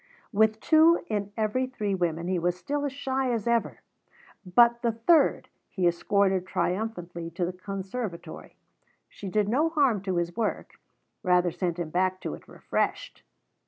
With two in every three women he was still as shy as ever, but the third he escorted triumphantly to the conservatory. She did no harm to his work rather sent him back to it refreshed.